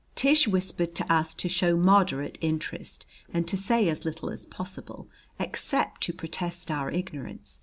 Tish whispered to us to show moderate interest and to say as little as possible, except to protest our ignorance.